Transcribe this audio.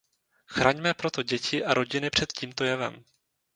Chraňme proto děti a rodiny před tímto jevem.